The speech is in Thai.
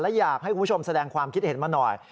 และอยากให้คุณผู้ชมแสดงความคิดเห็นมาหน่อย